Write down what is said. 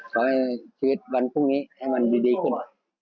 ขอให้ชีวิตวันพรุ่งนี้ให้มันดีขึ้น